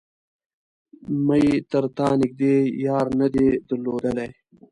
مې تر تا نږدې يار نه دی درلودلی.